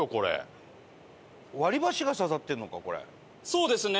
そうですね。